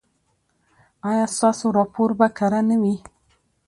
ایا ستاسو راپور به کره نه وي؟